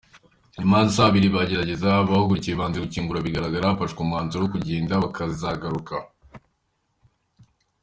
Nyuma y’amasaha abiri bagerageza, abahahungiye banze gukingura birangira hafashwe umwanzuro wo kugenda bakazagaruka.